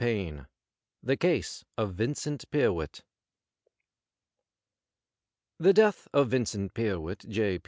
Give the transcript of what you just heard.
S3 THE CASE OF VINCENT PYRWHIT The death of Vincent Pyrwhit, J.